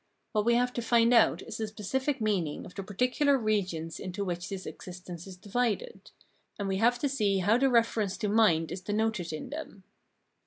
What we have to find out is the specific meaning of the particular regions into which this existence is divided ; and we have to see how the reference to mind is denoted in them.